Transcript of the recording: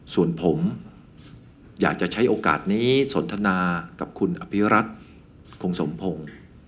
ส่วนผมอยากจะใช้โอกาสนี้สนทนากับคุณอภิรัตคงสมพงศ์